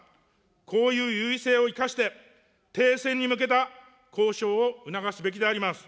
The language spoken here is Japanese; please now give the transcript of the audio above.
こういう優位性を生かして、停戦に向けた交渉を促すべきであります。